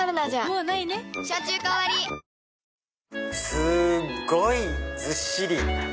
すごいずっしり！